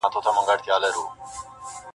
• څو تر څو به دوې هواوي او یو بام وي..